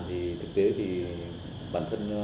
thì thực tế thì bản thân